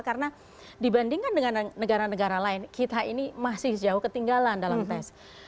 karena dibandingkan dengan negara negara lain kita ini masih jauh ketinggalan dalam tes